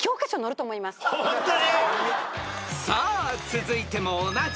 ホントに！？